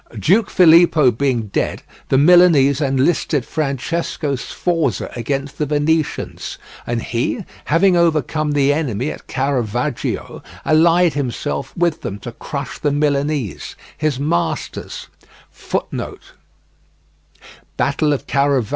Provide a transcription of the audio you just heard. Duke Filippo being dead, the Milanese enlisted Francesco Sforza against the Venetians, and he, having overcome the enemy at Caravaggio, allied himself with them to crush the Milanese, his masters.